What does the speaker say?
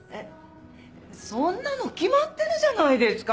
そんなの決まってるじゃないですか！